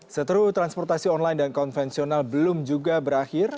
seteru transportasi online dan konvensional belum juga berakhir